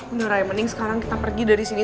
udah raya mending sekarang kita pergi dari sini